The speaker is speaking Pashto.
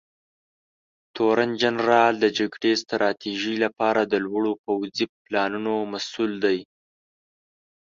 تورنجنرال د جګړې ستراتیژۍ لپاره د لوړو پوځي پلانونو مسوول دی.